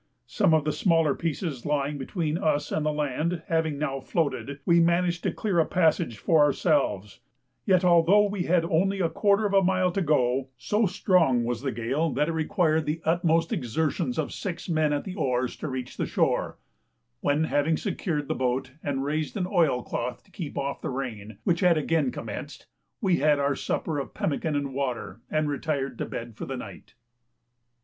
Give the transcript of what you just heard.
Some of the smaller pieces lying between us and the land having now floated, we managed to clear a passage for ourselves; yet although we had only a quarter of a mile to go, so strong was the gale that it required the utmost exertions of six men at the oars to reach the shore, when, having secured the boat and raised an oilcloth to keep off the rain, which had again commenced, we had our supper of pemmican and water, and retired to bed for the night.